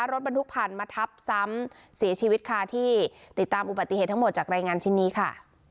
รถบรรทุกผ่านมาทับซ้ำเสียชีวิตค่ะที่ติดตามอุบัติเหตุทั้งหมดจากรายงานชิ้นนี้ค่ะ